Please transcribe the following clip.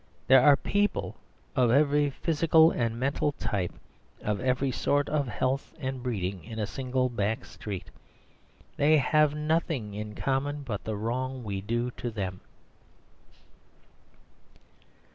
There are people of every physical and mental type, of every sort of health and breeding, in a single back street. They have nothing in common but the wrong we do them.